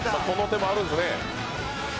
この手もあるんですね。